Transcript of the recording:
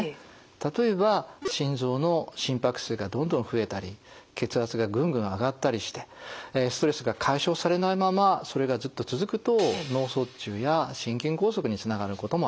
例えば心臓の心拍数がどんどん増えたり血圧がぐんぐん上がったりしてストレスが解消されないままそれがずっと続くと脳卒中や心筋梗塞につながることもあります。